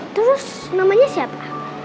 terus namanya siapa